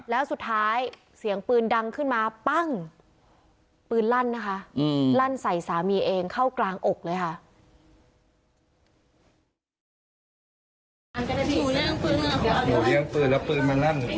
แล้วสุดท้ายเสียงปืนดังขึ้นมาปั้งปืนลั่นนะคะลั่นใส่สามีเองเข้ากลางอกเลยค่ะ